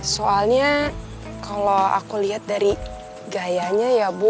soalnya kalau aku lihat dari gayanya ya bu